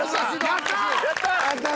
やった！